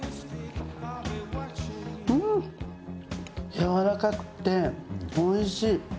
やわらかくておいしい。